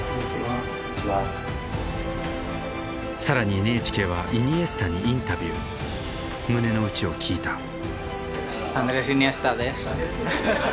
更にＮＨＫはイニエスタにインタビュー胸の内を聞いた。